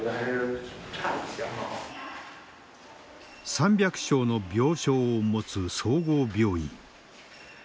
３００床の病床を持つ総合病院。